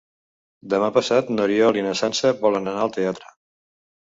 Demà passat n'Oriol i na Sança volen anar al teatre.